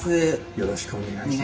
よろしくお願いします。